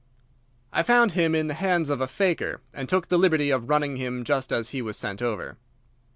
"I found him in the hands of a faker, and took the liberty of running him just as he was sent over."